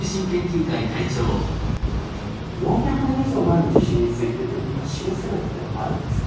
４００年以上前の地震についてって何か知るすべってあるんですか？